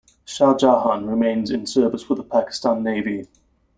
"Shah Jahan" remains in service with the Pakistan Navy.